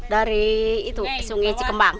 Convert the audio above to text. dari sungai cikembang